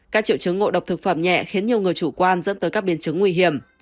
các triệu chứng ngộ độc thực phẩm nhẹ khiến nhiều người chủ quan dẫn tới các biến chứng nguy hiểm